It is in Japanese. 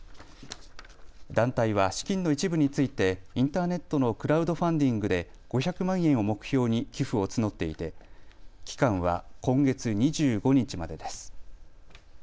団体は資金の一部についてインターネットのクラウドファンディングで５００万円を目標に寄付を募っていて期間は今月２５日までです。